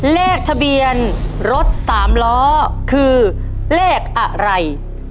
เลขทะเบียนรถสามล้อคือเลขอะไร